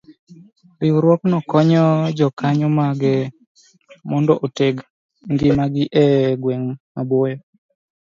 Riwruogno konyo jokanyo mage mondo oteg ngimagi e gwenge maboyo